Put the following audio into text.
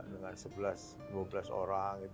dengan sebelas lima belas orang